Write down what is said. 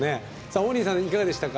王林さん、いかがでしたか？